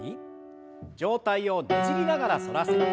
上体をねじりながら反らせて。